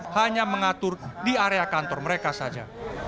hanya mengatur di area kantor mereka saja